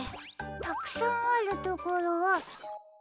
たくさんあるところは。